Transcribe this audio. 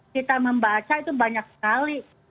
kita membaca itu banyak sekali